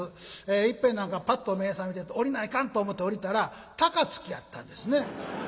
いっぺん何かぱっと目ぇ覚めて「降りないかん」と思て降りたら高槻やったんですね。